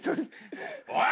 おい！